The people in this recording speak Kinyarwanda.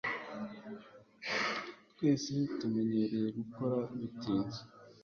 Twese tumenyereye gukora bitinze.